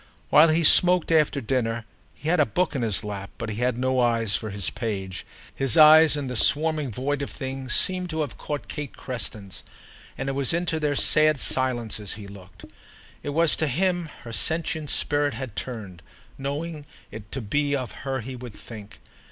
While he smoked, after dinner, he had a book in his lap, but he had no eyes for his page: his eyes, in the swarming void of things, seemed to have caught Kate Creston's, and it was into their sad silences he looked. It was to him her sentient spirit had turned, knowing it to be of her he would think.